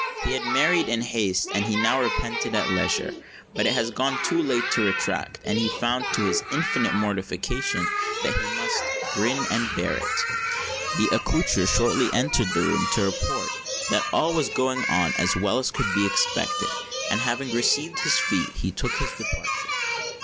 He had married in haste, and he now repented at leisure. But it was too late to retract; and he found, to his infinite mortification, that he must "grin and bear it." The accoucheur shortly entered the room to report that "all was going on as well as could be expected;" and, having received his fee, he took his departure.